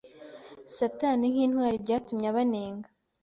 Satani nkintwari byatumye abanenga